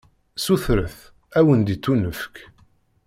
Sutret, ad wen-d-ittunefk!